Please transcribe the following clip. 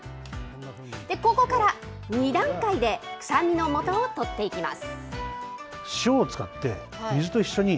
ここから２段階で、臭みのもとを取っていきます。